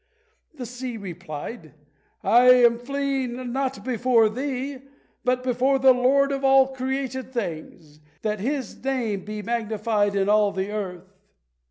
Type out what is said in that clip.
The sea replied, "I am fleeing, not before thee, but before the Lord of all created things, that His Name be magnified in all the earth."